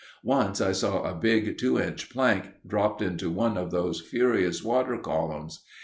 Once I saw a big two inch plank dropped into one of those furious water columns.